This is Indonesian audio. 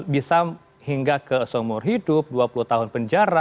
bisa hingga ke seumur hidup dua puluh tahun penjara